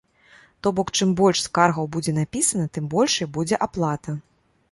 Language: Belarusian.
То бок, чым больш скаргаў будзе напісана, тым большай будзе аплата.